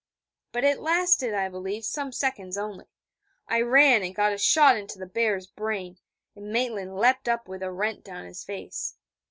But it lasted, I believe, some seconds only: I ran and got a shot into the bear's brain, and Maitland leapt up with a rent down his face.